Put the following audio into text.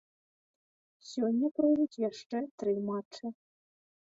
Сёння пройдуць яшчэ тры матчы.